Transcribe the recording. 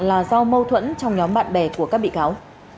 là do mâu thuẫn trong nhóm bạn bè của các bị cáo